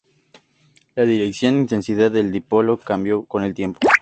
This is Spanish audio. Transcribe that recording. La dirección e intensidad del dipolo cambia con el tiempo.